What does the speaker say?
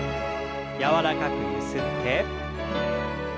柔らかくゆすって。